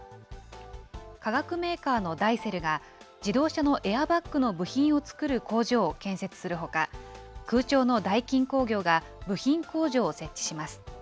化学メーカーのダイセルが、自動車のエアバッグの部品を作る工場を建設するほか、空調のダイキン工業が、部品工場を設置します。